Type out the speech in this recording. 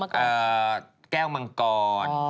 มักกอนแก้วมังกอน